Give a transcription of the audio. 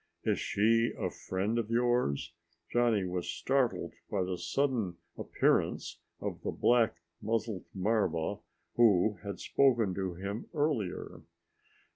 "Is she a friend of yours?" Johnny was startled by the sudden appearance of the black muzzled marva who had spoken to him earlier.